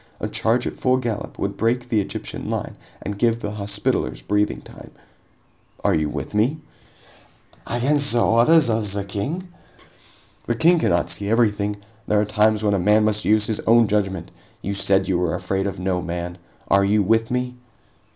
A charge at full gallop would break the Egyptian line and give the Hospitallers breathing time. Are you with me?" "Against the orders of the King?" "The King cannot see everything! There are times when a man must use his own judgment! You said you were afraid of no man. Are you with me?"